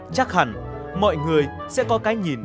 chắc hẳn mọi người sẽ có cái nhìn